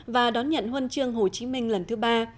và đón nhận huân chương hồ chí minh lần thứ ba